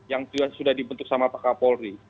yang sudah dibentuk sama pak kapolri